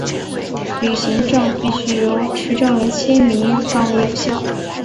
旅行证必须有持证人签名方为有效。